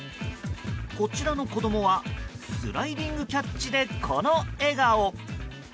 こちらの子供はスライディングキャッチでこの笑顔。